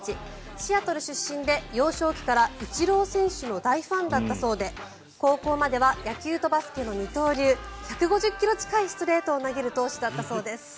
シアトル出身で幼少期からイチロー選手の大ファンだったそうで高校までは野球とバスケの二刀流１５０ｋｍ近いストレートを投げる投手だったそうです。